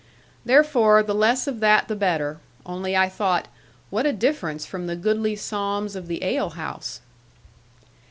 Therefore, the less of that the better; only I thought, 'what a difference from the goodly psalms of the ale house!'